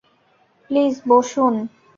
Please, বসুন।